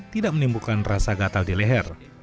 tidak menimbulkan rasa gatal di leher